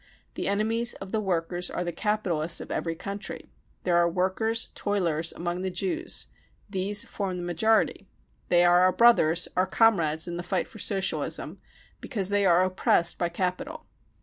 The enemies of the workers are the capitalists of every country. There are workers, toilers, among the Jews : these form the majority. They are our brothers, our comrades in the fight for socialism, because they are oppressed by capital.